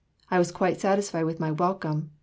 I was quite satisfied with my welcome....